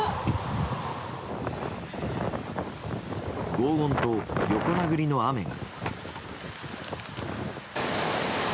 轟音と横殴りの雨が。